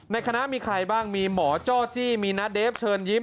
ในคณะมีใครบ้างมีหมอจ้อจี้มีน้าเดฟเชิญยิ้ม